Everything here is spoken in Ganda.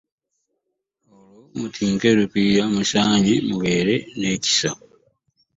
Olwo mutlinke lupiiya, musanye mubeere n'ekisa .